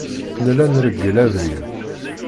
Nella nreggel abrid.